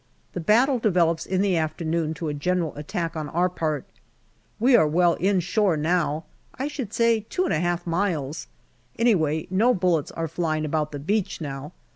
The battle develops in the afternoon to a general attack on our part. We are well inshore now, I should say two and a half miles. Anyway, no 52 GALLIPOLI DIARY bullets are flying about the beach now.